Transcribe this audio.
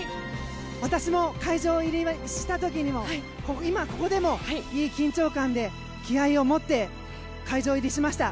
私も会場入りした時にも今、ここでもいい緊張感で気合を持って会場入りしました。